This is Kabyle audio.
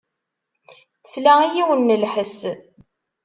Tesla i yiwen n lḥess.